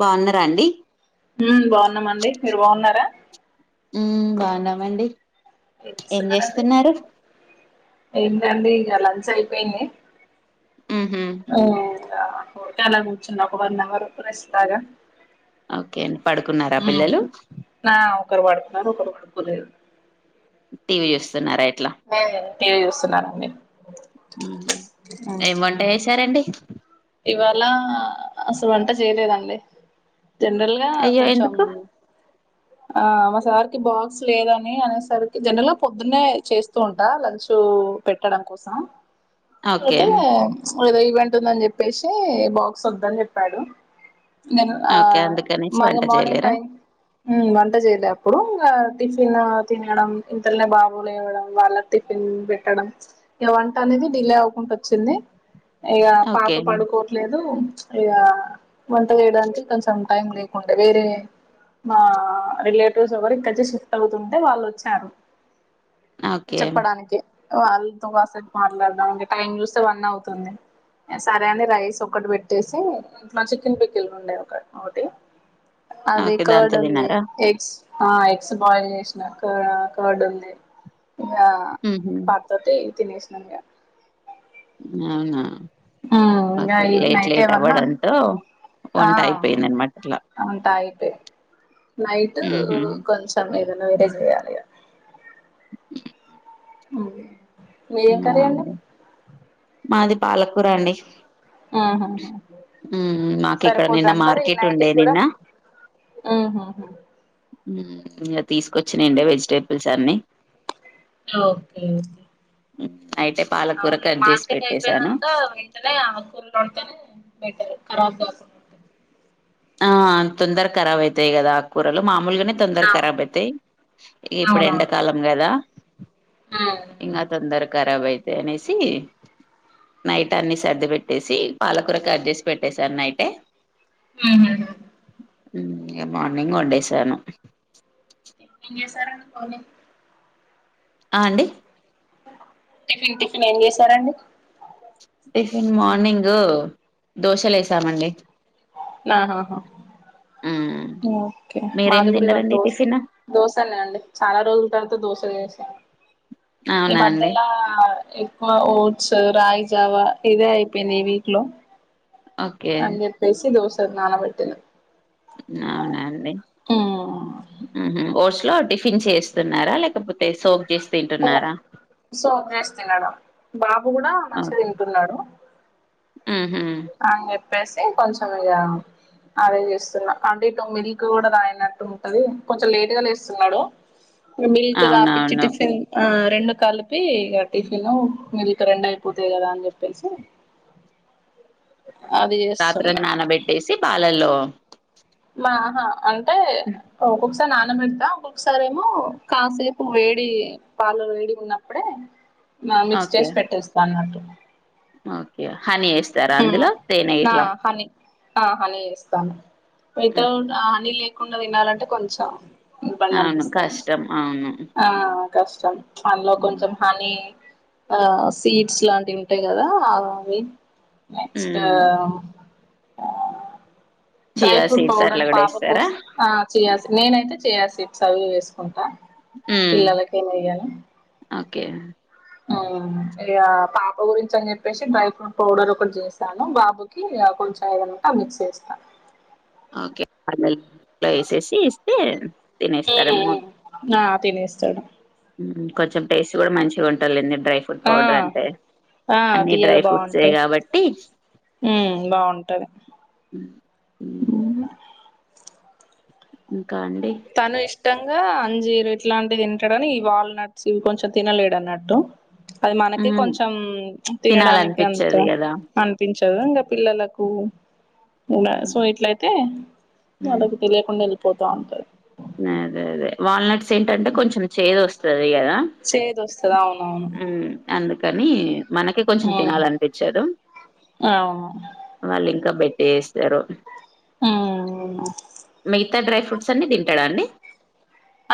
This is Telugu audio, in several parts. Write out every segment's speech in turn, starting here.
బాగున్నారాండి. ఉమ్ బాగున్నామండి మీరు బాగున్నారా బాగున్నామండి. ఏమి ఏం ఇస్తున్నమండి చేస్తున్నారు ఏంటండి ఇక లంచ్ అయిపోయింది. ఉహూ. కొట్టాలని కూర్చున్న ఒక వన్ [unintelligible] బాగా. ఓకే అండి పడుకున్నారా పిల్లలు ఉమ్ ఒకరు పడు. నాకు కొడుకులే. టీవీఎస్. టీవీ చూస్తున్నాను నేను. ఉమ్ ఏం వంట చేశారండి. ఇవాళ అసలు వంట చేయలేదండి. జనరల్ గా అయ్యో కొంచం. ఎందుకు ఆహ్ మా సారికి బాక్స్ లేదని అనేసరికి జనరల్గా పొద్దున్నే చేస్తూ ఉంటా లంచ్. సో పెట్టడం కోసం ఓకే అయితే ఏదో ఈవెంట్ ఉందని చెప్పి. సో బాక్స్ వద్దని చెప్పాడు. నేను ఓకే ఆహ్ అందుకనేసి వంట మళ్ళీ మార్నింగ్ చేయలేరా టైం వంట చేయలేేప్పుడు ఇంకా. టిఫిన్ తినడం ఇంతలనే బాబులేవ్వడం వాళ్ళకు టిఫిన్ పెట్టడం ఇంకా వంటనేది. డిలే అవ్వుకుంటూ వచ్చింది ఇక పాప ఓకే పడుకోవట్లేదు. ఇగా వంట చేయడానికి కొంచెం టైం లేకుండా వేరే. మా రిలేటివ్స్ ఒకరు ఇక్కడ షిఫ్ట్ అవుతుంటే వాళ్ళు వచ్చారు. ఓకే చెప్పడానికి. వాళ్ళతో కాసెపు మాట్లాడదాం అని చెప్పి అంటే టైం చూస్తే వన్ అవుతుంది. సరే అని రైస్ ఒకటి పెట్టేసి ఇంట్లో చికెన్ పికిల్ ఉండేయి ఒకటి ఒకటి అది ఓకే కోర్డ్ దాంతో ఉంది తిన్నారా ఎగ్స్ ఆ ఎక్స్ బాయిల్ చేసిన కార్డ్ ఉంది ఇంగ ఉహు పత్తోటి తినేసినం ఇగ అవునా ఉమ్ ఓకే ఆహ్ ఈ లేట్ నైట్ లేట్ ఏమన్నా అవ్వడంతో వంట ఆహ్ అయిపోయింది అనమాట అట్లా ఉంటాయి నైట్ ఉహు కొంచెం ఏదైనా వేర చేయాలి ఉమ్ ఉమ్ అవున అండి మాది పాలకూర అండి హుహ్ మాకు ఇక్కడ నిన్న సరిపోద్దండి మరి మార్కెట్ ఉండే నైట్కి కూడా నిన్న ఆహాహా ఉమ్ ఎథిక్స్ కూ వచ్చిండె వెజిటేబుల్స్ అన్ని ఓకే అయితే పాలకూర అవునులే కట్ చేసి మార్కట్ పెట్టేశాను అయిపోయినక వెంటనే ఆ కూూల్డితేనే పెట్టారు కరబ్గావూ ఆహ్ తొందర కరవైతై కదా కూరలు మా మామూలుగానే తొందర అవును. కరబు అయితాయి ఇక ఇప్పుడు అవునవును ఎండాకాలం కదా ఇంగా తొందర ఖరాబ్ అయితై అనేసి నైట్ అన్ని సర్ది పెట్టేసి పాలకూర కట్ చేసి పెట్టసాను నైటే హుహ్ మార్నింగ్ వండేసాను [inaudible] సరికి పోలే ఆహ్ అండి టిఫిన్ టిఫిన్ ఏం చేసారండి టిఫిను మార్నింగ్ దోశలేసామండి ఆహా ఒకే మీరేం మది గూడా ఇవ్వాళ తిన్నారండి డోస్ టిఫిన్ దోశనే అండి చాలా రోజుల తర్వాత దోశ చేసా ఈ అవునా అండి మధలా ఎక్కువ ఓట్స్ రాగి లాగ ఇదే అయిపోయింది ఈ వీక్ లో ఓకే అే పేసి దోసలు నాణ వెటిన అవునాండి ఆహా కోర్స్ లో టిఫిన్ చేస్తున్నారా లేకపోతే సోక్ చేసి ఓ తింటున్నారా సోక్ చేస్తున్నాం బాబు కూడా మంచిగ తింటున్నాడు హుహ్ పెసి కొంచం ఇగ అదే చేస్తున్నా అంటే ఇటు మిల్క్ కూడా తాగినట్టు ఉంటది కొంచెం లేటు గా లేస్తున్నాడు మిల్క్ తపించి అవునవును టిఫన్ రెండు కలిపి టిఫిన్ మిల్క్ రెండు అయిపోతాది కదా అనేసి రాత్రి అంత ననపెట్టేసి పాలల్లో మాహా అంటే ఓట్స్ నాన్న పెడతా ఒకఒకసారి ఏమో కాసేపు వేడి పాలు వేడిగున్నప్పుడే ఆహ్ మిక్స్ ఓకే చేసి పెట్టేస్తా అన్నట్టు ఓకే హనీ వేస్తారా అందులో తేనె ఆ గిట్ల హనీ ఆ హనీ ఇస్తాను హ్మ్. వితౌట్ హనీ లేకుండా తినాలంటే కొంచెం ఇబ్బంది అవును అనిపిస్తాను కష్టం అవును ఆ కష్టం అందులో కొంచెం హని ఆ సీడ్స్ లాంటివి ఉంటాయి కదా అవి నెక్స్ట్ ఉమ్ dry chia fruit seeds powder అట్లా కూడా వేస్తారా పాపకోస్ ఆ చేయా నేనైతే చేయాసి ఇచ్చా అవి ఇవి వేసుకుంటా ఉమ్ పిల్లలకే మెయ్యను ఓకే ఆ ఇ పాప గురించి అని చెప్పేసి డ్రై ఫ్రూట్ పౌడర్ ఒకటి చేసాను బాబుకి కొంచెం ఏదన్న మిక్స్ చేస్తా ఓకే వేసేసి ఇస్తే తినేస్తారేమ్మో తినేస్తర కొంచెం టేస్ట్ కూడ మంచిగా ఉంటాలండి డ్రై ఫ్రూట్ ఆ పౌడర్ అంటే ఆ అన్ని డ్రై ఫ్రూట్సే కాబట్టి ఉ బాగుంటది ఉ ఇంకా అండి తను ఇష్టంగా అంజీరు ఇట్లాంటి తింటడని ఈ వాల్నట్స్ ఇవి కొంచెం తినలేడు అన్నట్టు అది మనకే మ్మ్ కొంచెం తినడానికి అంత తినాలనిపించదు కదా అనిపించ ఇంకా పిల్లలకు ఉన్న సో ఉమ్, ఇట్లయితే వాళ్ళకు తెలియకుండా వెళ్ళి పోత ఉంట అదే అదే వాల్నట్స్ ఏంటంటే కొంచెం చేది వస్తది కదా చేదు వస్తది అవునవును మ్మ్ అందుకని మనకే కొంచెం తినాలనిపించదు అవును వాళ్ళుంకా బెట్టే వేస్తరు ఊ ఊన త్త డ్రై ఫ్రూట్స్ అన్ని తింటాడ అండి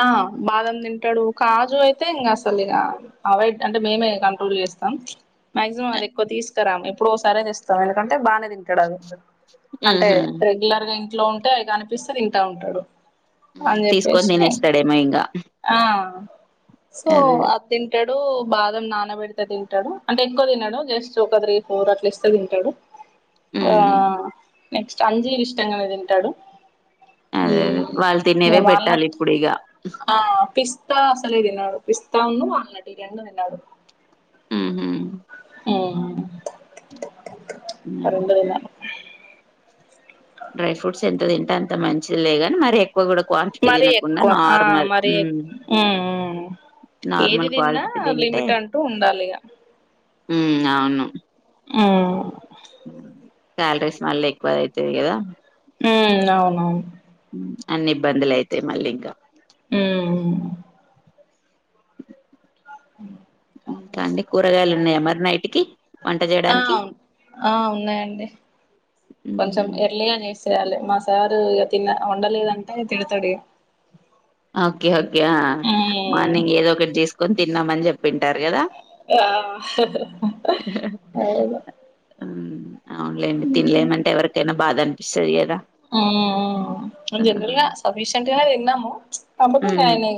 ఆ బాదం తింటాడు కాజు అయితే ఇంగ అసలు ఇగ అవాయిడ్ అంటే మేమే కంట్రోల్ చే స్తా మాక్సిమం అది ఎక్కువ తీసుకరాము ఇప్పుడు ఒకసారి తెస్తాం ఎందుకంటే బాగ తింటడు మ్మ్ అంటే హ్మ్ రెగ్యులర్ గా ఏం ఇంట్లో ఉంటే అవి కనిపిస్తే తింటా ఉంటడు అని చెప్పేసి తినేస్తడేమో ఇంగ ఆ సో అదే ఆ తింటడు డు బాదం నానబెడితే తింటడు అంటే ఎక్కువ తినడు జస్ట్ ఒక త్రీ ఫోర్ అట్ల ఇస్తే తింటడు ఆ మ్మ్ నెక్స్ట్ అంజీర్ ఇష్టంగా తింటాడు అదే అదే ఉమ్ వాళ్ళు ఇగ తినేవే పెట్టాలి వాల్నట్ ఇప్పుడు ఇగ ఆ పిస్తా అసలే తిన్నడు పిస్తా ఉన్న అనటీరియను తిన్నాడు ఉ అ రెండు తినాలి డ్రై ఫ్రూట్స్ ఎంత తింటే అంత మంచిది లేగాని మరి ఎ క్క కూడా క్వాంటిటీ మరీ తినకుండా ఎక్కువ ఆ నార్మల్ మరీ ఎ ఉమ్ ఉమ్ ఏది నార్మల్ తిన్నా క్వాలిటీ తింటే లిమిట్ అంటూ ఉండాలి ఇగ ఉమ్ అవును ఆ సాలరీస్ మళ్ళీ ఎక్కువ అయితే కదా ఉ అవునవును అన్ని ఇబ్బందులు అయితాయి మళ్ళీ ఇంకా హ్మ్ ఇకాండి కూరగాయలు ఉన్నాయా మరి నైట్ కి వంట ఆ చేయడానికి ఆ ఉన్నాయండి కొంచెం ఎర్లీగా చేసి యాలి మా సారు ఇక తి వండలేదంటే తిడతాడు ఇగా ఓకే ఓకే ఆ ఉమ్ మార్నింగ్ ఏదో ఒకటి చేసుకొని తిన్నామని చెప్ప ఆ అవును అవునులేండి తినలేమంటే ఎవరికైనా బాధ అనిపిస్తుంది కదా మ్మ్ జనరల్ గా సఫిషియంట్ గానే తిన్నాము కాబట్ మ్మ్ నయనే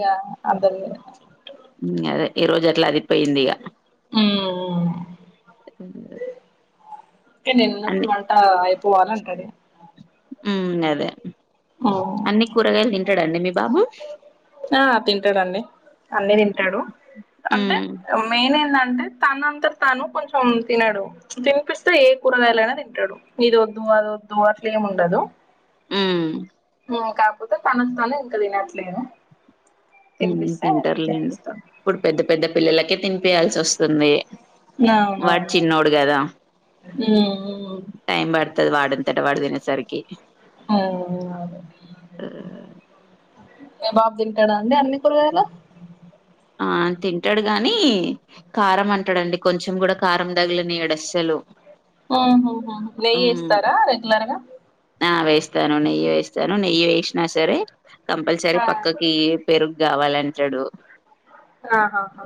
అదల్ అదే ఈ రోజు అట్లా అది పోయింది ఇగా ఉమ్ అే నేనున్నప్పుడు వంట అయిపోవాలంటడు ఉ అదే అన్నిీ కూరగాయలు తింటాడంండి మీ బాబు ఆ తింటాడంండి అన్ని తింటాడు అంటే ఉమ్ మెయిన్ ఏంటం అంటే తనంతా తాను కొంచెం తినడు తినిపిస్తే ఏ కూరగాయలైనా తింటాడు ఇది వద్దు అదోదు అట్లేముండదు ఉమ్మ్ కాకపోతే తనకు తను ఇంకా తినట్లేదు తినిపిస్తే తింటారులేండి తినేస్తాడు ఇప్పుడు పెద్ద పెద్ద పిల్లలకే తినిపయాల్సి వస్తుంది వాడు చిన్నోడు కదా టైం ఆ పడుతది వాడంతట వాడు తినేసరికి మ్మ్ అవును మీ బాబు తింటాడా అండి అన్ని కురగాయలు ఆ తింటాడు గాని కారం అంటాడండి కొంచెం కూడా కారం తగిలిని ఎడస్సలు నెయ్యి ఇస్తారా రెగ్యులర్గా ఆ వేస్తాను నెయ్యి వేస్తాను నెయ్యి వేసినా సరే కంపల్సరీ ఆ పక్కకి పెరుగు కావాలంటాడు ఆహాహా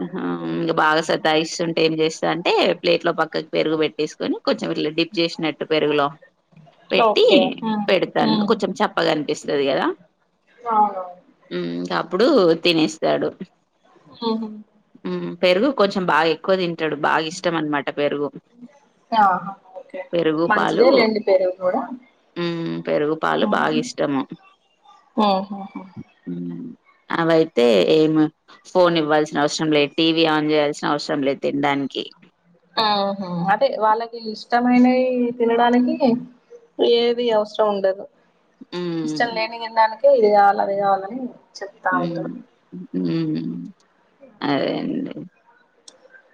ఇంకా బాగా సత సతాయిస్తుంటే ఏం చేస్త అంటే ప్లేట్ లో పక్కకు పెరుగు పెట్టేసుకొని కొ ఇలా డిప్ చేసినట్టు పెరుగులో పెట్టి ఓకే ఉమ్ పెడతాను ఇంక ఉమ్ కొంచెం చెప్పగనిపి రిస్తది కదా అవునవును ఇంకా అప్పుడు తినేస్తాడు హ పెరుగు కొంచెం బాగా ఎక్కువ తింటాడు బాగా ఇష్టం అనమాట పెరుగు ఓకే మంచిదే లేడీ పెరుగు కూడా ఉ పెరుగు పాలు బాగా ఇష్టము ఆహాహా హ్మ్. అవైతే ఏం ఫోన్ ఇవ్వాల్సిన అవసరం లేదు టీవీ ఆన్ చేయాల్సిన అవసరం లేదు తినడానికి ఆహ అదే వాళ్ళకి ఇష్టమైనవి తినడానికి ఏది వసరం ఉండదు హ్మ్. ఇష్టం లేని తినడానినికి ఇది కావాలి అది కావాలని చెప్తా ఉంట ఉమ్మ్ అదేండి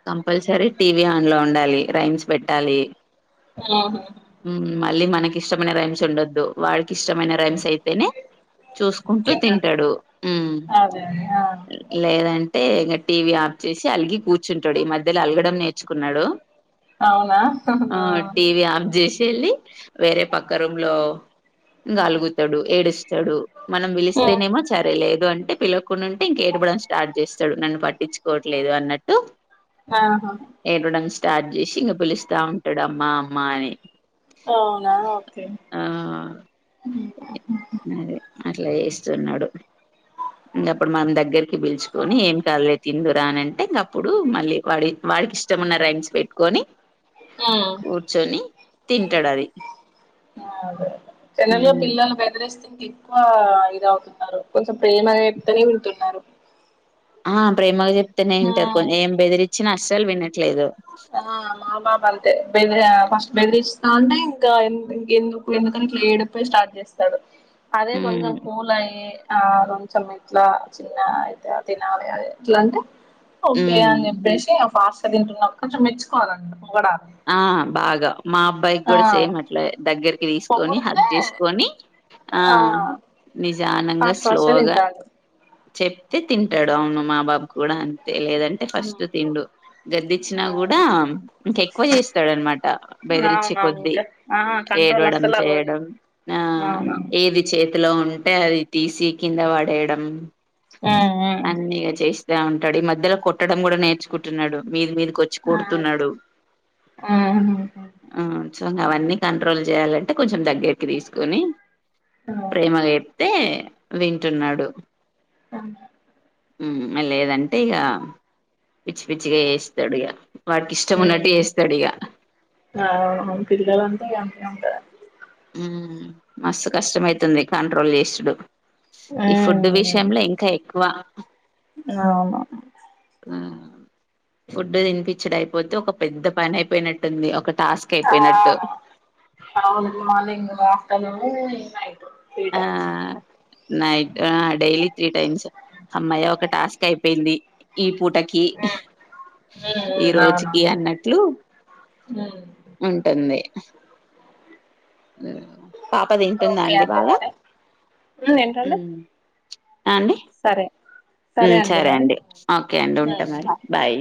కంపల్సరీ టీవీ ఆన్ లో ఉండాలి రైమ్స్ పెట్టాలి ఆ మళ్ళీ మనకి ఇష్టమైన రైమ్స్ ఉండొద్దు వాళకి ఇష్టమైన రైమ్స్ అయితేనే చూసుకుంటూ తింటాడు అదే అదే ఆ లేదం టే ఇం టీవీ ఆఫ్ చేసి అలిగి కూర్చుంటాడు ఈ మధ్యలో అలగడం నేర్చుకున్నాడు అవునా ఆ టీవి ఆన్ చేసి వెళ్ళి వేరే పక్క రూమ్లో అలుగుతాడు ఏడు తడు మనం ఆ పిలిస్తేనేమో చరయలేదు అం టే పిలువకుండా ఉంటే ఇంక ఏడుపుకూడా స్టార్ట్ చేస్తాడు నన్ను పట్టించుకోవట్లేదు అన్నట్టు ఆహా ఏడవడం స్టార్ట్ చేసి ఇంక పిలుస్తా ఉంటాడు అమ్మ అమ్మా అని అవునా ఓకే ఆ చూన్నాడు ఇంకప్పుడు మన దగ్గరికి పిల్చుకొని ఏం కాదులే తిందురా అని అంటే ఇంగప్పుడు మళ్ళీ వాడి వా వానికి ఇష్టం ఉన్న రైమ్స్ పెట్టుకొని కూర్చొని తింటాడు అది ఆ అదే జనలే హ్మ్. పిల్లలు బెదిరి ఎక్కువ ఇద అవుతున్నారు కొంచెం ప్రేమ చెప్తేనే వింటున్నారు ఆ ప్రేమగా చెప్తేనే వింటారు పోనీ ఏం బెదిరించినా అసలు వినట్లేదు ఆ మాబాబు అలాగే బాద్య ఫస్ట్ బెదిరిస్తాంటే ఇం ఇంకా ఎందుకు ఎందుకని ఇట్లా ఏడుపే స్టార్ట్ చేస్తాడు అదే కొంచెం ఉమ్ కూల్ అయి ఆ కొంచెం ఇట్లా చిన్న అయితే తినాల ఇట్లా అంటే ఓకే ఉమ్ అని చెప్పేసి ఫాస్ట్గా తింటున్నడు కొంచెం మెచ్చుకోవలమ్మట ఆ బాగా మా అబ్బాయికి కూడా సేమ్ అట్లా దగ్గరికి తీసుకొని హాగ్ పొగుడితే చేసుకొని ఆ నిదానంగా ఫాస్ట్ ఫాస్ట్ గా స్లోగా తింటాండు చెప్తే తింటాడు అవును మా బాబు కూడా అం తేలిదంటే ఫస్ట్ తిండు గదిచ్చినా కూడా ఇంకా ఎ ఎక్కువ చేస్తాడనమాట అవునవును బెదిరించేకొది ఇంకా ఆ కంట్రోల్ ఏడవడం అస్సలు అవ్వడు చేయడం ఆ అవునవును ఏది చే ఇంట్లో ఉంటే అది తీసి కింద పడేయడం అన్ని ఇగ చేస్త స్తా ఉంటాడు ఈ మధ్యలో కొట్టడం కూడా నేర్చుకుంటున్నాడు మీది మీదకి వచ్చి కొడుతున్నాడు ఆహాం ఆ సో అవన్నీ కంట్రోల్ చేయాలంటే కొంచెం దగ్గరికి తీసుకుని ప్రేమగా చెప్తే వింటున్నాడు అవు ఉమ్ లేదంటే ఇగ పిచ్చి పిచ్చిగా చేస్తాడు ఇక వాడికి ఇష్టం ఉన్నట్టు చేస్తాడు ఇగ ఆ తిరగాలంటే అంతే ఉంటదా ఉమ్ మస్తు కష్టమైతుంది కంట్రోల్ చేసుడు ఈ ఫూడూ విషయంలో ఇంకా ఎక్కువ అవును ఉమ్ ఫుడ్ తినిపించుడు అయిపోతే ఒక పెద్ద పనైయిపోయినట్టుంది ఒక టాస్క్ ఆ అయిపోయినట్టు అవును మార్నింగ్ ఆ వైటే నైట్ ఆ డైలీ త్రీ టైమ్స్ అమ్మాయ ఒక టాస్క్ అయిపోయింది ఈ పూటకి ఈ అవునవును రోజుకి అన్నట్లు ఉంటుంది పాప తింటుందా అండి బాగా ఉ ఏంటండీ మ్మ్ ఆ అండి సరే సరే అండి ఓకే అండి ఉంటా మరి బాయ్ బాయ్